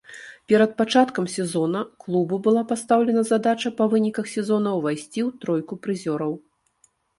Перад пачаткам сезона клубу была пастаўлена задача па выніках сезона ўвайсці ў тройку прызёраў.